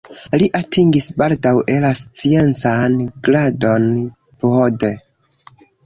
Li atingis baldaŭe la sciencan gradon PhD.